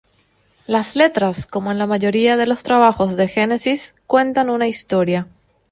Las letras, como en la mayoría de los trabajos de Genesis, cuentan una historia.